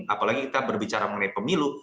apalagi kita berbicara mengenai pemilu